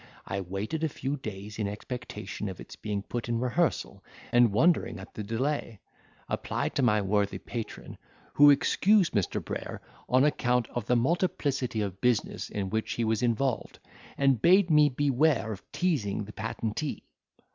I waited a few days in expectation of its being put in rehearsal, and wondering at the delay, applied to my worthy patron, who excused Mr. Brayer on account of the multiplicity of business in which he was involved, and bade me beware of teasing the patentee.